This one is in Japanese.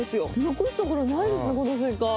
残すところないですね、このスイカ。